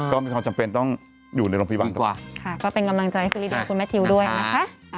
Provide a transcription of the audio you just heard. ก็มีความจำเป็นต้องอยู่ในลงที่บ้านกว่าค่ะก็เป็นกำลังใจคุณแมททิวด้วยนะคะ